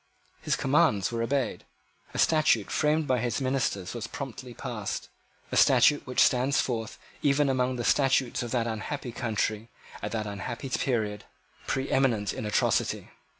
His commands were obeyed. A statute framed by his ministers was promptly passed, a statute which stands forth even among the statutes of that unhappy country at that unhappy period, preeminent in atrocity.